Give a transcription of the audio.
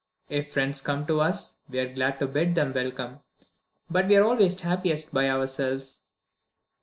If friends come to us, we are glad to bid them welcome; but we are always happiest by ourselves."